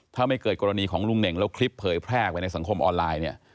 ถ้าไม่เกิดกรณีของลุงเน่งแล้วคลิปเผยแพร่ไปในสังคมออนไลน์เนี่ย